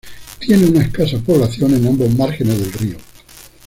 Tiene una escasa población en ambos márgenes del río.